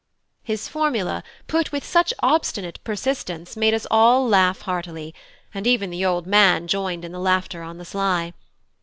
His formula, put with such obstinate persistence, made us all laugh heartily; and even the old man joined in the laughter on the sly.